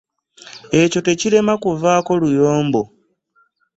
Ekyo tekirema kuvaako luyombo.